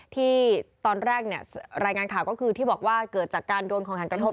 ที่ตอนแรกเนี่ยรายงานข่าวก็คือที่บอกว่าเกิดจากการโดนของแข็งกระทบ